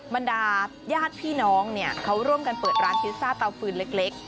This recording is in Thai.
บรรดาญาติพี่น้องเนี่ยเขาร่วมกันเปิดร้านพิซซ่าเตาฟืนเล็ก